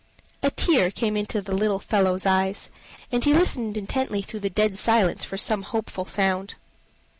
A tear came into the little fellow's eyes, and he listened intently through the dead silence for some hopeful sound.